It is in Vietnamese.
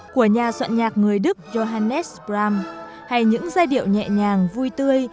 của nhà soạn nhạc người đức johannes pram hay những giai điệu nhẹ nhàng vui tươi